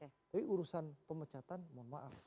tapi urusan pemecatan mohon maaf